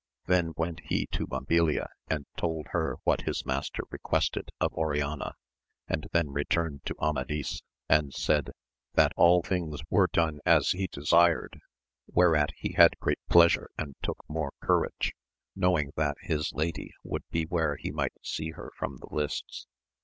Then went he to Mabilia and told her what his master m xeqaested of Oriana, and then returned to Amad^" and said that all things were done as he desu whereat he had great pleasure and took more comi knowing that his lady would be where he might liar from the Hsts.